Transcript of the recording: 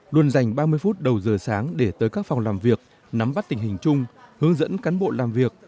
luôn dành ba mươi phút đầu giờ sáng để tới các phòng làm việc nắm bắt tình hình chung hướng dẫn cán bộ làm việc